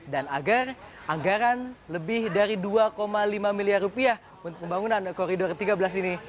agar anggaran lebih dari dua lima miliar rupiah untuk pembangunan koridor tiga belas ini